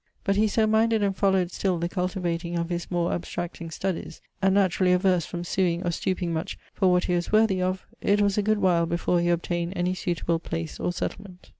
But he so minded and followed still the cultivating of his more abstracting studies, and naturally averse from suing or stooping much for what he was worthy of, it was a good while before he obtained any suteable place or settlement.